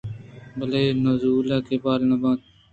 بے بانزُل ءَ کہ بال نہ بیت